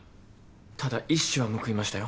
ただ一矢は報いましたよ。